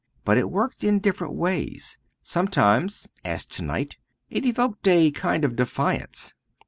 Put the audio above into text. But it worked in different ways. Sometimes as to night it evoked a kind of defiance.